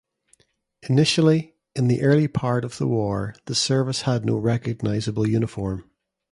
Initially, in the early part of the war the service had no recognisable uniform.